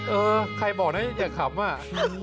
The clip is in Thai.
เออใครบอกนั้นอยากขำ